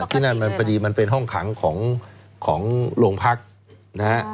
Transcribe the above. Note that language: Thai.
ที่นั่นมันพอดีมันเป็นห้องขังของโรงพักนะฮะ